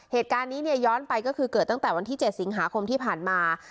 เหตุการณ์นี้เนี่ยย้อนไปก็คือเกิดตั้งแต่วันที่๗สิงหาคมที่ผ่านมา